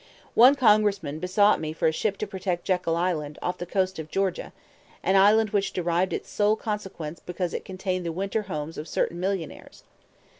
One Congressman besought me for a ship to protect Jekyll Island, off the coast of Georgia, an island which derived its sole consequence because it contained the winter homes of certain millionaires.